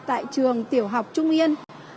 tại trường tiểu học trung yên